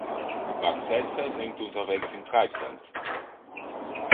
Marcel versinkt unterwegs im Treibsand.